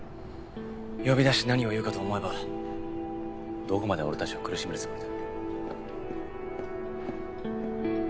呼び出して何を言うかと思えばどこまで俺たちを苦しめるつもりだ。